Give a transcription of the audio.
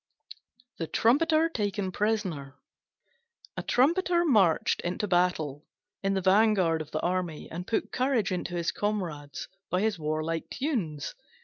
THE TRUMPETER TAKEN PRISONER A Trumpeter marched into battle in the van of the army and put courage into his comrades by his warlike tunes.